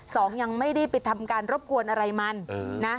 สองยังไม่ได้ไปทำการรบกวนอะไรมันนะ